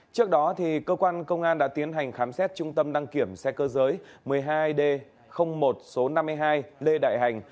trước đó cơ quan công an đã tiến hành khám xét trung tâm đăng kiểm xe cơ giới một mươi hai d một số năm mươi hai lê đại hành